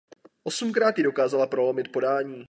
Osmkrát ji dokázala prolomit podání.